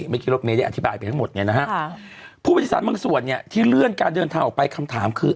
ไม่คิดลบนี้ได้อธิบายไปทั้งหมดไงนะฮะค่ะผู้โดยสารบางส่วนเนี้ยที่เลื่อนการเดินทางออกไปคำถามคือ